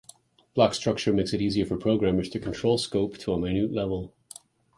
Block structure makes it easier for programmers to control scope to a minute level.